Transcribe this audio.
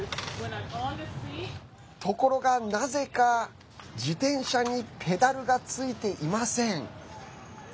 ところが、なぜか自転車にペダルがついていません。